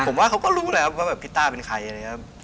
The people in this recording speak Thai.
ผมว่าเขาก็รู้เลยว่าพี่ต้าเป็นใคร